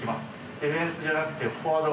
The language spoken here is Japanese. ディフェンスじゃなくてフォワードが。